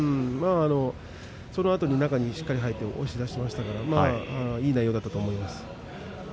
そのあと中にしっかり入って押し出しましたからいい内容だったと思います。